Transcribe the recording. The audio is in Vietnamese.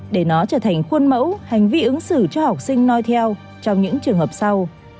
để nó trở thành khuôn mẫu hành vi ứng xử cho học sinh nói theo trong những trường hợp sau